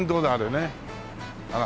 あら。